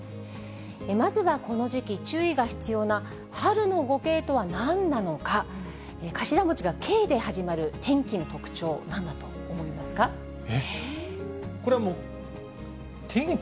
まずはこの時期、注意が必要な、春の５Ｋとはなんなのか、頭文字がＫで始まる天気の特徴、なんだえっ、これはもう、天気？